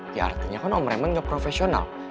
ya artinya kan om remen gak profesional